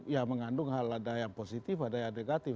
ya mengandung hal ada yang positif ada yang negatif